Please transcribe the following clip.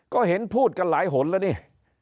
ก็เห็นพูดกันหลายหนแล้วนี่